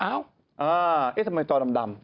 เอ้าเอ๊ะทำไมจอดำ